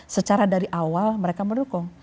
secara dari awal mereka mendukung